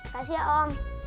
kasih ya om